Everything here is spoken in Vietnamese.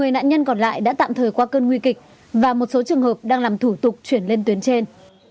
một mươi nạn nhân còn lại đã tạm thời qua cơn nguy kịch và một số trường hợp đang làm thủ tục chuyển lên tuyến trên